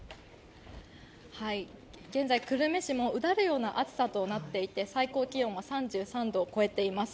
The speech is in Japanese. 現在、久留米市もうだるような暑さとなっていて最高気温は３３度を超えています。